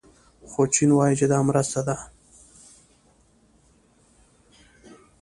خو چین وايي چې دا مرسته ده.